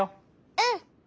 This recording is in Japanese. うん！